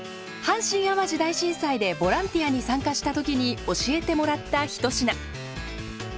阪神・淡路大震災でボランティアに参加した時に教えてもらった一品。